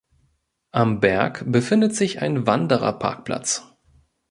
Am Berg befindet sich ein Wandererparkplatz.